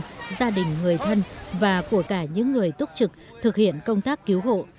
các thuyền viên gia đình người thân và của cả những người túc trực thực hiện công tác cứu hộ